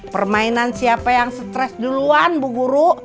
permainan siapa yang stres duluan bu guru